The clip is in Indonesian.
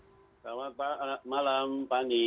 selamat malam pak andi